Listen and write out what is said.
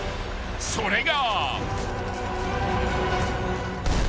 ［それが］